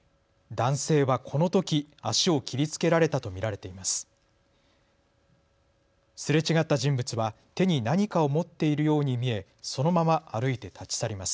男性はこのとき足を切りつけられたと見られています。